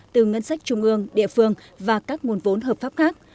từ ngân sách trung ương địa phương và các nguồn vốn hợp pháp khác